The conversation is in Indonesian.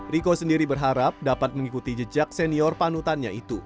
riko sendiri berharap dapat mengikuti jejak senior panutannya itu